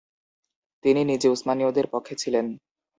তিনি নিজে উসমানীয়দের পক্ষে ছিলেন।